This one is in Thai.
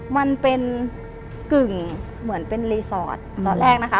มันเป็นกึ่งเหมือนเป็นรีสอร์ทตอนแรกนะคะ